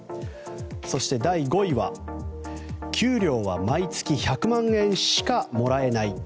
そして第５位は給料は毎月１００万円しかもらえない。